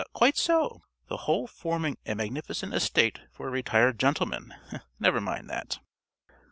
~ _Quite so. The whole forming a magnificent estate for a retired gentleman. Never mind that.